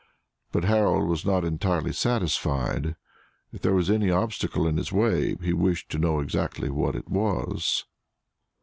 But Harold was not entirely satisfied; if there was any obstacle in his way, he wished to know exactly what it was.